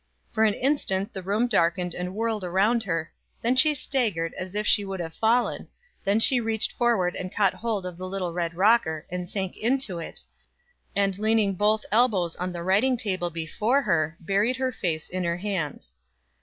For an instant the room darkened and whirled around her, then she staggered as if she would have fallen, then she reached forward and caught hold of the little red rocker, and sank into it, and leaning both elbows on the writing table before her, buried her face in her hands.